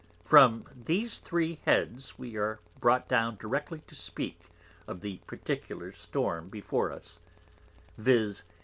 From these three Heads we are brought down directly to speak of the Particular Storm before us; _viz.